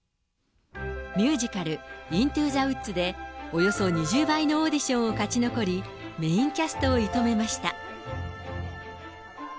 ミュージカル、イントゥ・ザ・ウッズで、およそ２０倍のオーディションを勝ち残り、メインキャストを射止めました。